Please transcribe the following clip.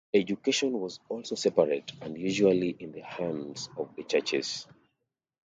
Education was also separate and usually in the hands of the churches.